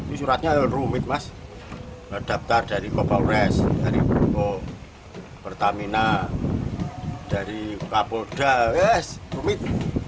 ini suratnya rumit mas daftar dari kopau res dari bukau pertamina dari kapolda yes rumit